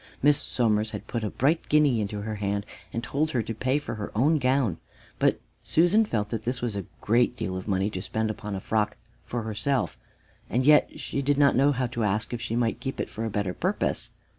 Miss Somers had put a bright guinea into her hand and told her to pay for her own gown. But Susan felt that this was a great deal of money to spend upon a frock for herself, and yet she did not know how to ask if she might keep it for a better purpose.